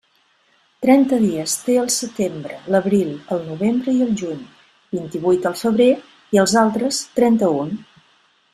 Trenta dies té el setembre, l'abril, el novembre i el juny, vint-i-vuit el febrer, i els altres, trenta-un.